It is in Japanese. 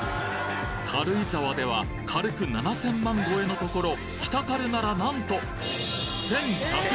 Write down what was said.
軽井沢では軽く７，０００万超えのところ北軽なら何と！